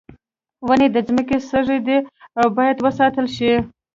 ونې د ځمکې سږی دي او باید وساتل شي.